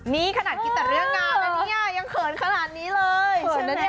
นี่ขนาดคิดแต่เรื่องงานแล้วเนี่ยยังเขินขนาดนี้เลย